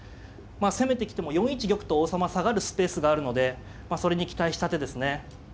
攻めてきても４一玉と王様下がるスペースがあるのでまあそれに期待した手ですね。